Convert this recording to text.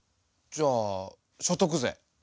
じゃあ所得税。